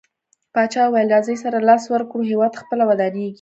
پاچاه وويل: راځٸ سره لاس ورکړو هيواد په خپله ودانيږي.